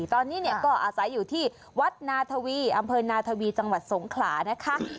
ตอนนี้ก็อาศัยอยู่ที่วัดนาธวีอำเภอนาทวีจังหวัดสงขลานะคะ